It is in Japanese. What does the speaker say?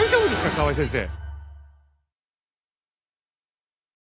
河合先生。